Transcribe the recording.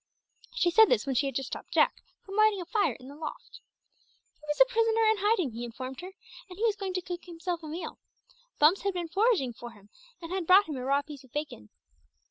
She said this when she had just stopped Jack from lighting a fire in the loft. He was a prisoner in hiding, he informed her, and he was going to cook himself a meal. Bumps had been foraging for him, and had brought him a raw piece of bacon.